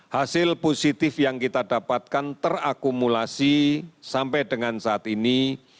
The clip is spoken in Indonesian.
hasil positif yang kita dapatkan terakumulasi sampai dengan saat ini